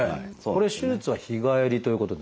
これ手術は日帰りということに？